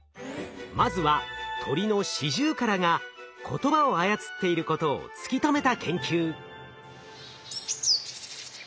まずは鳥のシジュウカラが言葉を操っていることを突き止めた研究。